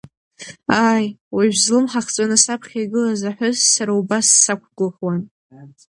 Ааи, уажә злымҳа хҵәаны саԥхьа игылаз аҳәыс сара убас сақәгәыӷуан.